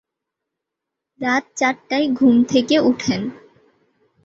রাত চারটায় ঘুম থেকে ওঠেন।